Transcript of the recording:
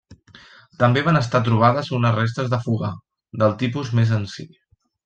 També van estar trobades unes restes de fogar, del tipus més senzill.